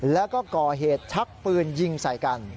แล้วก็ก่อเหตุชักปืนยิงใส่กัน